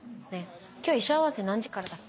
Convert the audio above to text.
今日衣装合わせ何時からだっけ？